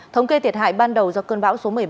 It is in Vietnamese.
thống kê thiệt hại ban đầu do cơn bão số một mươi ba